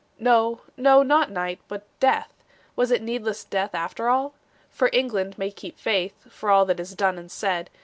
No, no, not night but death; Was it needless death after all? For England may keep faith For all that is done and said.